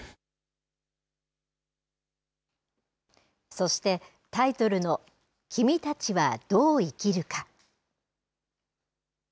そしてタイトルの君たちはどう生きるか。